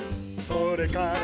「それから」